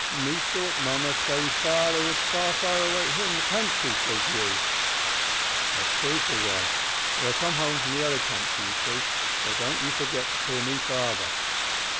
"`Me sought mamma say father was far far away in other country,' says you. "`That's true,' says I, `but I've come home from the other country, you see, so don't you forget to call me father.'